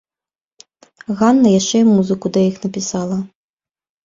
Ганна яшчэ і музыку да іх напісала.